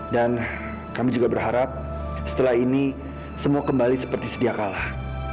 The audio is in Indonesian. dan kami juga berharap setelah ini semua kembali seperti setiap kalah